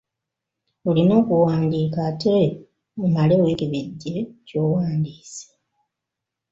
Olina okuwandiika ate omale weekebejje ky'owandiise.